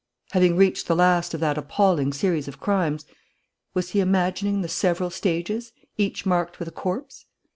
Having reached the last of that appalling series of crimes, was he imagining the several stages, each marked with a corpse?